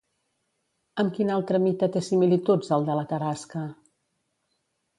Amb quin altre mite té similituds el de la Tarasca?